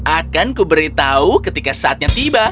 akanku beritahu ketika saatnya tiba